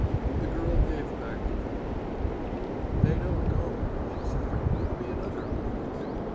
The girl gave back the coupon. "They don't go," she said; "give me another, please."